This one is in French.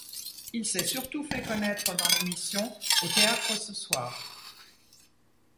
Il s'est surtout fait connaître dans l'émission Au théâtre ce soir.